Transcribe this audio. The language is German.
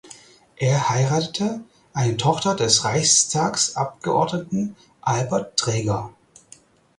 Er heiratete eine Tochter des Reichstagsabgeordneten Albert Träger.